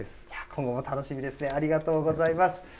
今後も楽しみですね、ありがとうございます。